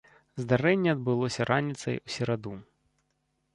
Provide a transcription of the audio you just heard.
Здарэнне адбылося раніцай у сераду.